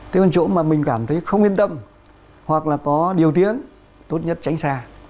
cái chỗ mà mình cảm thấy không yên tâm hoặc là có điều tiến tốt nhất tránh xa